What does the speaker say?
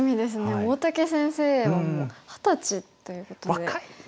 大竹先生は二十歳ということで。